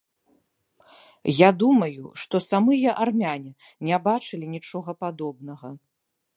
Я думаю, што самыя армяне не бачылі нічога падобнага.